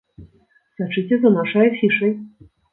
Сачыце за нашай афішай!